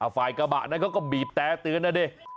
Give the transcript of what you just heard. ฝ่ายกระบะนั้นเขาก็บีบแต่เตือนนะดิ